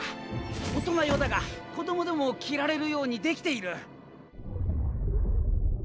大人用だが子供でも着られるようにできている。